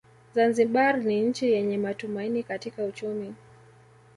Zanzibar ni nchi yenye matumaini katika uchumi